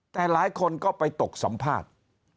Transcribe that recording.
แต่หลายคนก็ไปตกสัมภาษณ์